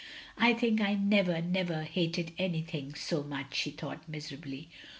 "I think I never, never hated anything so much," she thought, miserably.